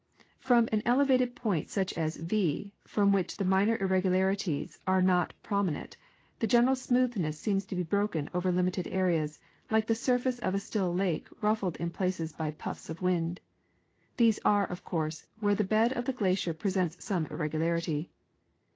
From an elevated point such as V, from which the minor irregularities are not j^i'omi nent, the general smoothness seems broken over limited areas, like the surface of a still lake ruffled in places by puffs of wind. These are, of course, where the bed of the glacier presents some irregularity.